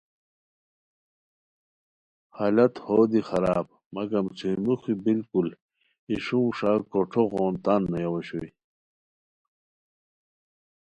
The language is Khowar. حالت ہو دی خراب مگم چھوئی موخی بالکل ای ݰونگ ݰا کروٹو غون تان نویاؤ استائے